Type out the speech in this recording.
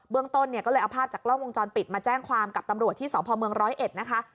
บื้องต้นเนี่ยก็อาภาพอาจากล่องวงจรปิดมาแจ้งความกับตำรวจที่อำเภอเมือง๑๐๑นะคะ